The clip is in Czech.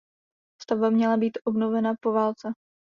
Stavba měla být obnovena po válce.